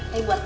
tapi buat lo